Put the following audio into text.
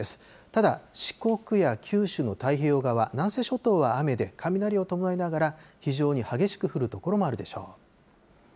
ただ、四国や九州の太平洋側、南西諸島は雨で、雷を伴いながら、非常に激しく降る所もあるでしょう。